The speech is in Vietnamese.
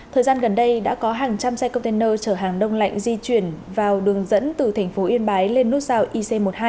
thời gian gần đây đã có hàng trăm xe container chở hàng đông lạnh di chuyển vào đường dẫn từ thành phố yên bái lên nút giao ic một mươi hai